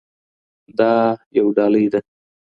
دا یو ډالۍ ده.